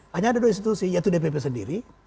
hanya ada dua institusi yaitu dpp sendiri